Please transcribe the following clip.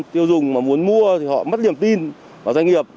tiêu dùng mà muốn mua thì họ mất niềm tin vào doanh nghiệp